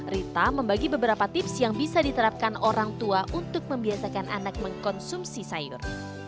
rita membagi beberapa tips yang bisa diterapkan orang tua untuk membiasakan anak mengkonsumsi sayur